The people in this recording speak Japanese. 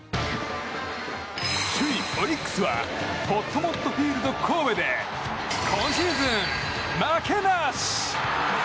首位オリックスはほっともっとフィールド神戸で今シーズン負けなし！